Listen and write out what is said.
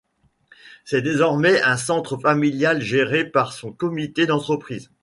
C'est désormais un centre familial géré par son comité d'entreprise.